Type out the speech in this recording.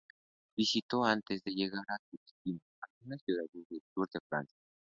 Visitó, antes de llegar a su destino, algunas ciudades del sur de Francia.